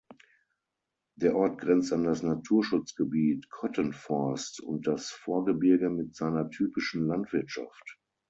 Der Ort grenzt an das Naturschutzgebiet Kottenforst und das Vorgebirge mit seiner typischen Landwirtschaft.